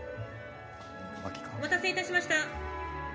お待たせいたしました。